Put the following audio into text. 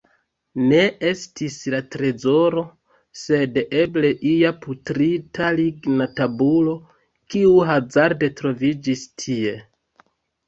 Ne estis la trezoro, sed eble ia putrita ligna tabulo, kiu hazarde troviĝis tie.